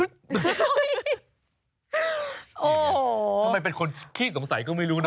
โอ้โหทำไมเป็นคนขี้สงสัยก็ไม่รู้นะ